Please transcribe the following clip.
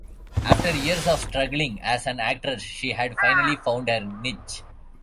After years of struggling as an actress, she had finally found her niche.